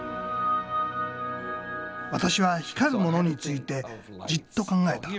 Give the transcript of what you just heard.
私は光るものについてじっと考えた。